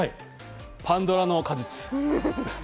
『パンドラの果実』。